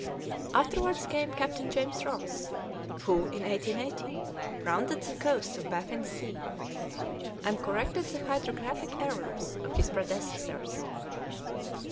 Afterwards came Captain James Ross, who, in 1818, rounded the coasts of Baffin's Sea, and corrected the hydrographic errors of his predecessors.